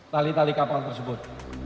tali tali kapal tersebut